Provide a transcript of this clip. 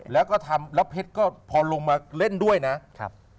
แล้วก็ทำแล้วเพชรก็พอลงมาเล่นด้วยนะครับ